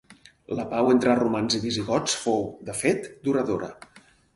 La pau entre romans i visigots fou, de fet, duradora.